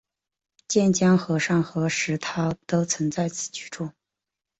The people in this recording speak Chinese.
渐江和尚和石涛都曾在此居住。